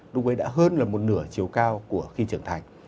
đúng với đã hơn là một nửa chiều cao của khi trưởng thành